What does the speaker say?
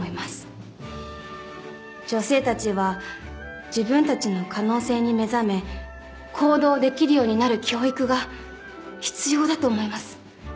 女性たちは自分たちの可能性に目覚め行動できるようになる教育が必要だと思います。